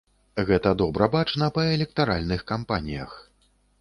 Гэта добра бачна па электаральных кампаніях.